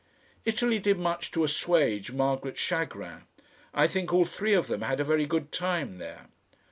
Italy did much to assuage Margaret's chagrin. I think all three of them had a very good time there.